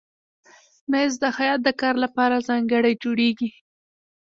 مېز د خیاط کار لپاره ځانګړی جوړېږي.